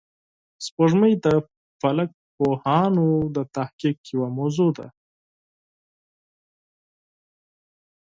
سپوږمۍ د فلک پوهانو د تحقیق یوه موضوع ده